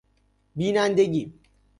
بینندگی